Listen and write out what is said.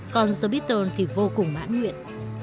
còn the beatles thì vô cùng mãn nguyện